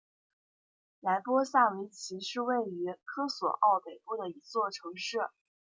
莱波萨维奇是位于科索沃北部的一座城市。